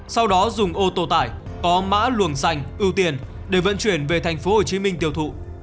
sau đó dùng ô tô tải có mã luồng xanh ưu tiên để vận chuyển về thành phố hồ chí minh tiêu thụ